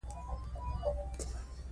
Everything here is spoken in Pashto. د سولې او دوستۍ ژبه ده.